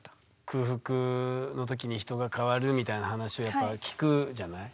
空腹のときに人が変わるみたいな話はやっぱ聞くじゃない？